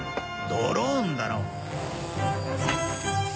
ドローンだろ。